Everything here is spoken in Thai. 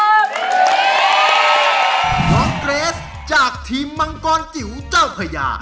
เกรสจากทีมมังกรจิ๋วเจ้าพญา